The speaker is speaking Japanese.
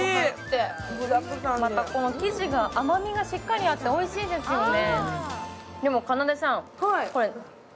またこの生地が甘みがしっかりあっておいしいですよね。